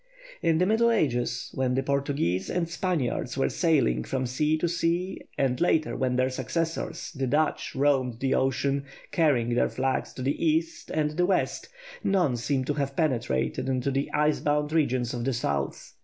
In the Middle Ages, when the Portuguese and Spaniards were sailing from sea to sea, and later, when their successors, the Dutch, roamed the ocean, carrying their flags to the East and the West, none seem to have penetrated into the ice bound regions of the South.